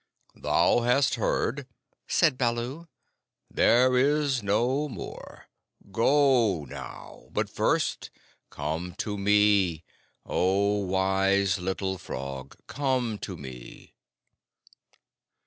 "Thou hast heard," said Baloo. "There is no more. Go now; but first come to me. O wise Little Frog, come to me!"